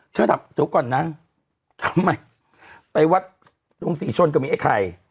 เดี๋ยวก่อนนะไปวัดตรงสี่ชนต์ก็มีไอ้ไข่